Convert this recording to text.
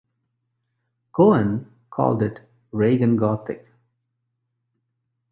Cohen called it 'raygun Gothic'.